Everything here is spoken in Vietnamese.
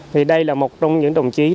thì đây là một trong những đồng chí